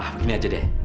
begini aja deh